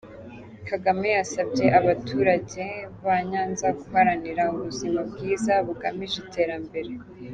Kagame yasabye abaturage ba Nyanza guharanira ubuzima bwiza, bugamije iterambere.